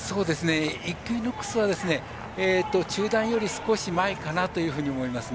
イクイノックスは中団より少し前かなと思います。